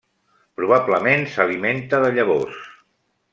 Probablement s'alimenta de llavors.